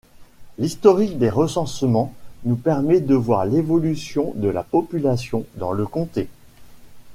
L'historique des recensements nous permet de voir l'évolution de la population dans le comté.